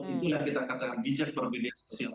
itulah kita katakan bijak perbedaan sosial